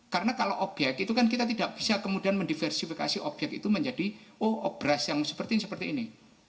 karena kalau obyek itu kan kita tidak bisa kemudian mendiversifikasi obyek itu menjadi oh beras yang seperti ini seperti ini